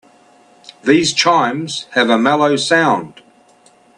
These chimes have a mellow sound.